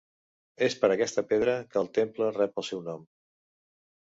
És per aquesta pedra que el temple rep el seu nom.